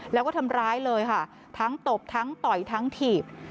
แล้วก็ทำร้ายเลยค่ะทั้งตบทั้งต่อยทั้งถีบ